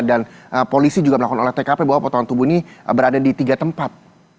dan polisi juga melakukan oleh tkp bahwa potongan tubuh ini berada di tiga tempat